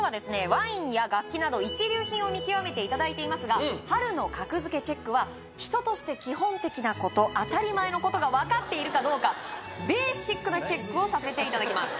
ワインや楽器など一流品を見極めていただいていますが春の格付けチェックは人として基本的な当たり前の事がわかっているかどうかＢＡＳＩＣなチェックをさせていただきます